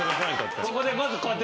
ここでまずこうやって。